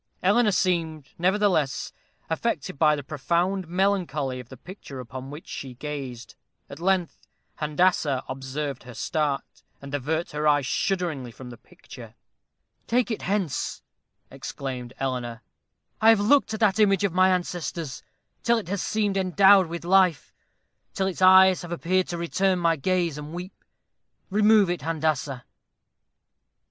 Eleanor seemed, nevertheless, affected by the profound melancholy of the picture upon which she gazed. At length, Handassah observed her start, and avert her eye shudderingly from the picture. "Take it hence," exclaimed Eleanor; "I have looked at that image of my ancestors, till it has seemed endowed with life till its eyes have appeared to return my gaze, and weep. Remove it, Handassah."